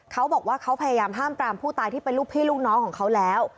เขาบอกว่าเขาพยายามห้ามปรามผู้ตายที่เป็นลูกพี่ลูกน้องของเขาแล้ว